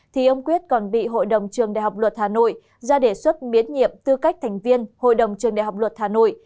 thì ông quyết còn bị hội đồng trường đại học luật hà nội ra đề xuất biến nhiệm tư cách thành viên hội đồng trường đại học luật hà nội